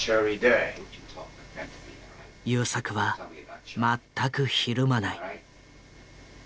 優作は全くひるまない。